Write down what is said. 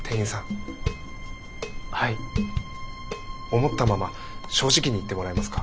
思ったまま正直に言ってもらえますか。